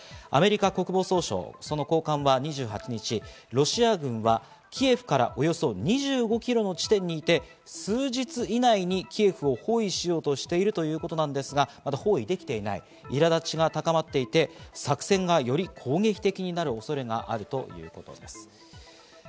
アメリカ国防総省、その高官は２８日、ロシア軍はキエフからおよそ２５キロの地点にいて数日以内にキエフを包囲しようとしているということなんですが、まだ包囲できていない苛立ちが高まっていて作戦がより攻撃的になる恐れがあるということです。